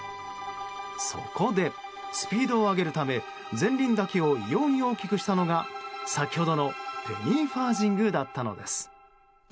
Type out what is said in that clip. そこでスピードを上げるため前輪だけを異様に大きくしたのが先ほどのペニーファージングだったのです。